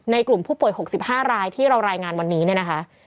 กลุ่มผู้ป่วย๖๕รายที่เรารายงานวันนี้เนี่ยนะคะ